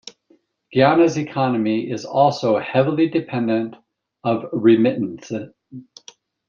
Guyana's economy is also heavily dependent of remittances.